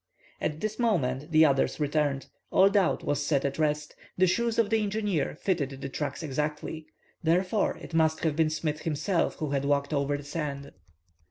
At this moment the others returned. All doubt was set at rest. The shoes of the engineer fitted the tracks exactly. Therefore it must have been Smith himself who had walked over the sand.